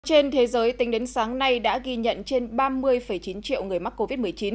trên thế giới tính đến sáng nay đã ghi nhận trên ba mươi chín triệu người mắc covid một mươi chín